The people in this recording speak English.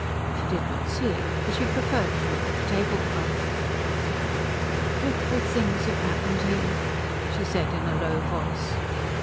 She did not see it, for she preferred to look at the table cloth. "Dreadful things have happened here," she said in a low voice.